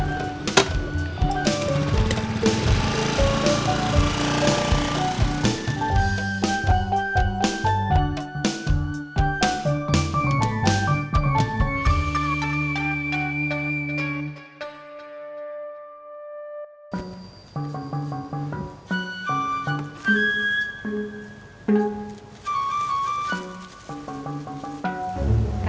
tunggu aku berokat